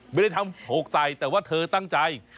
ไม่ได้ทำโหกใส่แต่ว่าเธอตั้งใจ